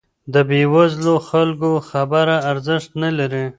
د بې وزلو خلګو خبره ارزښت نه لري.